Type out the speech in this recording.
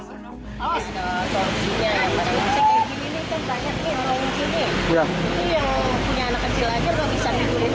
ini yang punya anak kecil aja nggak bisa tidurin anaknya